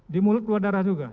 di mulut keluar darah juga